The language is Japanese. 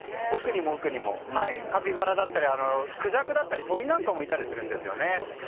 カピバラだったりクジャクだったり鳥なんかもいたりするんですね。